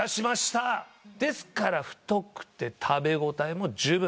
ですから太くて食べ応えも十分。